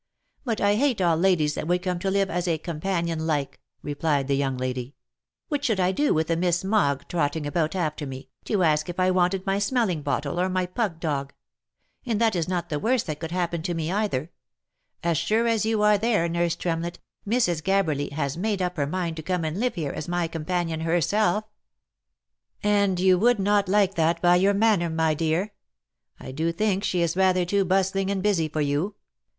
" But I hate all ladies that would come to live as a companion like" replied the young lady. "What should I do with a 'Miss Mogg, trotting about after me, to ask if I wanted my smelling bottle, or my pug dog? And that is not the worst that could happen to me either. As sure as you are there, nurse Tremlett, Mrs. Gabberly has made up her mind to come and live here as my companion herself!" 90 THE LIFE AND ADVENTURES " And you would not like that, by your manner, my dear ? I do think she is rather too bustling and busy for you.